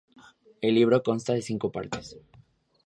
El libro consta de cinco partes.